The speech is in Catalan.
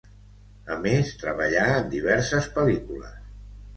A més, treballà, en diverses pel·lícules.